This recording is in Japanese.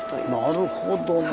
なるほどね。